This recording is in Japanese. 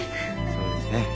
そうですね。